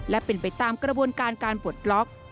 และเป็นไปตามกระบวนการการปลดล็อก